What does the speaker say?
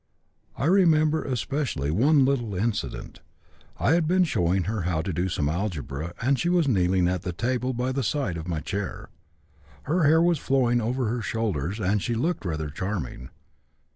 I remember especially one little incident. I had been showing her how to do some algebra and she was kneeling at the table by the side of my chair. Her hair was flowing over her shoulders and she looked rather charming.